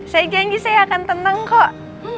saya janji saya akan tenang kok